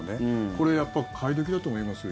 これ、やっぱり買い時だと思いますよ。